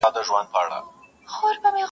خو د خلکو درد بې جوابه او بې علاج پاتېږي.